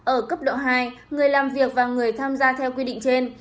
ở cấp độ hai người làm việc và người tham gia theo quy định trên